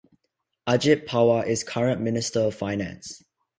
Ajit Pawar is Current Minister of Finance.